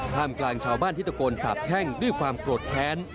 ห้ามกลางชาวบ้านธิตกลสาบแช่งด้วยความโกรธแท้น